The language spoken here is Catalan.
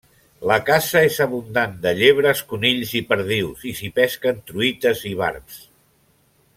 La caça és abundant, de llebres, conills i perdius, i s'hi pesquen truites i barbs.